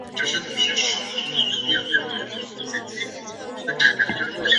宗城之战发生于五代后晋天福六年击败安重荣。